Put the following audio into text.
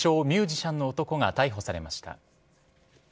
ミュージシャンの男が逮捕されました。